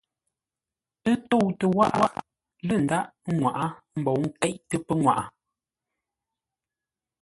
Ə́ tóutə́ wághʼə lə́ ndaghʼ ŋwaʼá mbǒu nkéiʼtə́ pəŋwaʼa.